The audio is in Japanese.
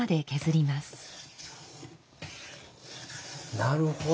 なるほど。